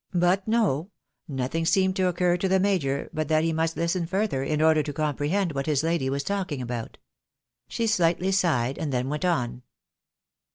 But no ! nothing seemed to occur to the major, but that he must listen further, in order to comprehend what his lady was talking about. She slightly sighed, and then went on.